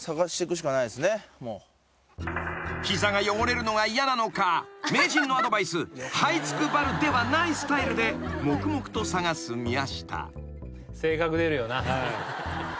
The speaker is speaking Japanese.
［膝が汚れるのが嫌なのか名人のアドバイスはいつくばるではないスタイルで黙々と探す宮下］